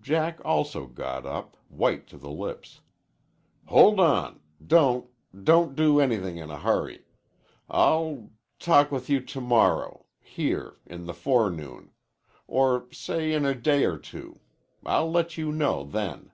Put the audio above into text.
Jack also got up, white to the lips. "Hold on! Don't don't do anything in a hurry! I'll talk with you to morrow here in the forenoon. Or say in a day or two. I'll let you know then."